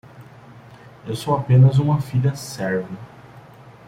Eu sou apenas uma filha serva.